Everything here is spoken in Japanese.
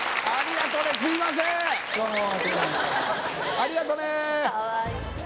ありがとね！